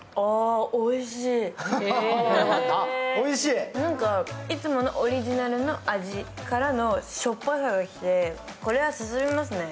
いつものオリジナルの味からのしょっぱさが来て、これは進みますね。